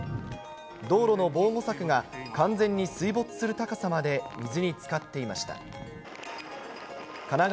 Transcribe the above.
道路の防護柵が完全に水没する高さまで水につかっていました。